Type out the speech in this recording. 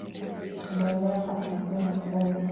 Kwa maeneo ya kaskazini mwa Kenya